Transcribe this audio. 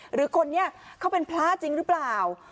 หรือคนนี้เขาเป็นพระจริงหรือเปล่า